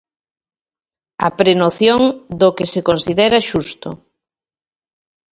A prenoción do que se considera xusto.